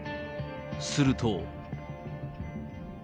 すると。